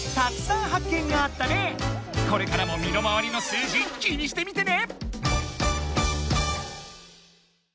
これからもみの回りの数字気にしてみてね！